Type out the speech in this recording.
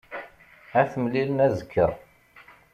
Ad t-mlilen azekka.